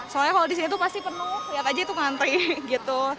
soalnya kalau di situ pasti penuh lihat aja itu ngantri gitu